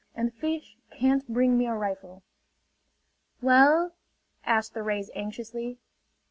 and fish can't bring me a rifle!" "Well...?" asked the rays anxiously.